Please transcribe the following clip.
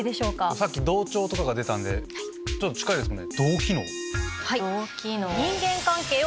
さっき「同調」とかが出たんでちょっと近いですもんね。